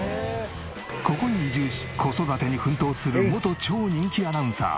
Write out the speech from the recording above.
ここに移住し子育てに奮闘する元超人気アナウンサー。